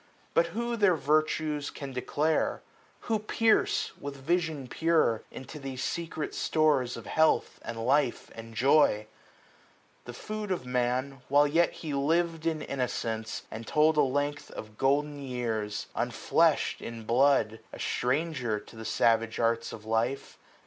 But who their virtues can declare ? who pierce. With vision pure, into these secret stores Of health, and life, and joy ? The food of Man, 235 While yet he liv'd in innocence, and told A length of golden years ; unfleshM in blood, A stranger to the savage arts of life.